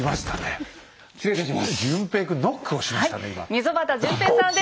溝端淳平さんです。